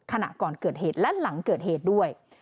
ขณะก่อนเกิดเหตุและหลังเกิดเหตุด้วย